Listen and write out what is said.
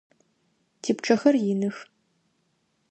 Типчъэхэр иных.